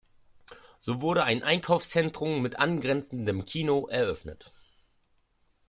So wurde ein Einkaufszentrum mit angrenzendem Kino eröffnet.